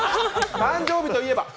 誕生日といえば？